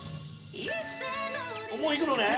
もういくのね。